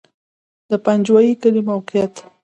د پنجوایي کلی موقعیت